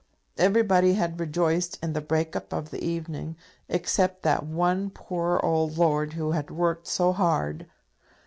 Everybody had rejoiced in the break up of the evening, except that one poor old lord who had worked so hard.